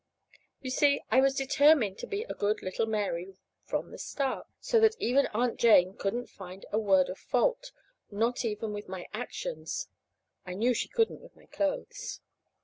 You see, I was determined to be a good little Mary from the very start, so that even Aunt Jane couldn't find a word of fault not even with my actions. I knew she couldn't with my clothes!